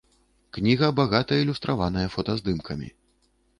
Кніга багата ілюстраваная фотаздымкамі.